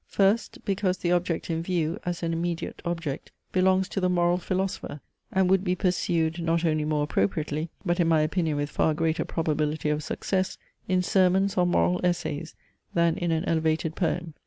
First, because the object in view, as an immediate object, belongs to the moral philosopher, and would be pursued, not only more appropriately, but in my opinion with far greater probability of success, in sermons or moral essays, than in an elevated poem.